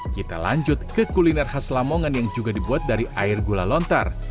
kita lanjut ke kuliner khas lamongan yang juga dibuat dari air gula lontar